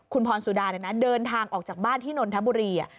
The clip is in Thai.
คุณพรสุดาเดินทางออกจากบ้านที่นนทบุรี